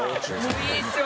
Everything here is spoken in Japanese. もういいっすよ！